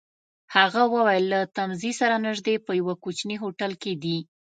هغه وویل: له تمځای سره نژدې، په یوه کوچني هوټل کي دي.